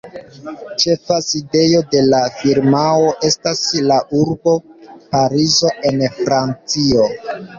Ĉefa sidejo de la firmao estas la urbo Parizo en Francio.